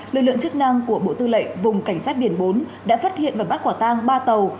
lực lượng chức năng của bộ tư lệnh vùng cảnh sát biển bốn đã phát hiện và bắt quả tang ba tàu